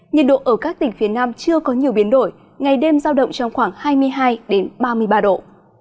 nhiệt độ ở các tỉnh phía nam chưa có nhiều biến đổi ngày đêm giao động trong khoảng hai mươi hai ba mươi ba độ